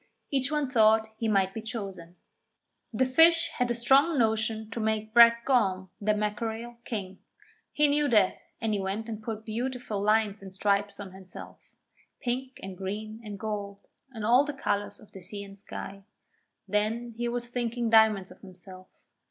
Each one thought he might be chosen. The Fish had a strong notion to make Brac Gorm, the Mackerel, king. He knew that, and he went and put beautiful lines and stripes on himself pink and green and gold, and all the colours of the sea and sky. Then he was thinking diamonds of himself.